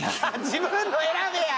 自分の選べや！